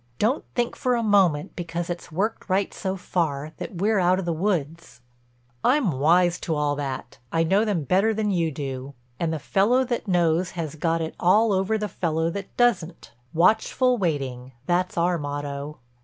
Don't think for a moment, because it's worked right so far, that we're out of the woods." "I'm wise to all that, I know them better than you do. And the fellow that knows has got it all over the fellow that doesn't. Watchful waiting—that's our motto."